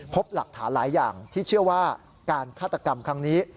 พบหลักฐานหลายอย่างที่เชื่อว่าการฆาตกรรมครั้งนี้